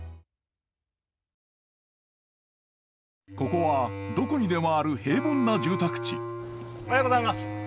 ここはどこにでもある平凡な住宅地おはようございます。